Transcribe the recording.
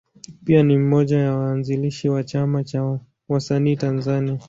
Pia ni mmoja ya waanzilishi wa Chama cha Wasanii Tanzania.